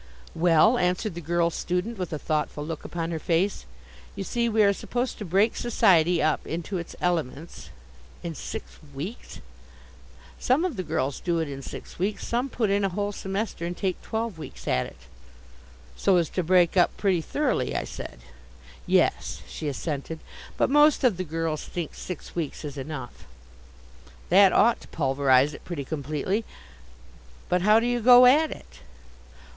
"Well," answered the girl student with a thoughtful look upon her face, "you see, we are supposed to break society up into its elements." "In six weeks?" "Some of the girls do it in six weeks. Some put in a whole semester and take twelve weeks at it." "So as to break up pretty thoroughly?" I said. "Yes," she assented. "But most of the girls think six weeks is enough." "That ought to pulverize it pretty completely. But how do you go at it?"